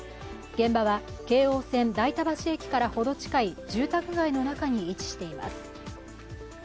現場は京王線・代田橋駅から程近い住宅街の中に位置しています。